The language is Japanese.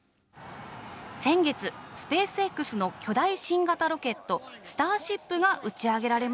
先月スペースＸの巨大新型ロケット「スターシップ」が打ち上げられました。